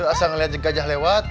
lu asal ngeliat jengkajah lewat